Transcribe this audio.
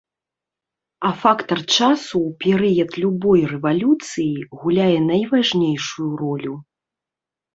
А фактар часу ў перыяд любой рэвалюцыі гуляе найважнейшую ролю.